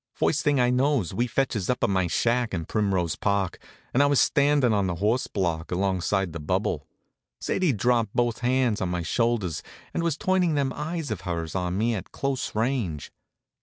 First thing I knows we fetches up at my shack in Primrose Park, and I was standin' on the horse block, alongside the bubble. Sadie'd dropped both hands on my shoulders and was turnin' them eyes of hers on me at close range.